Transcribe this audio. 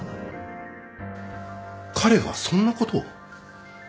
彼がそんなことを？